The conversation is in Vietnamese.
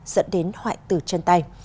dẫn đến hoại tử chân tay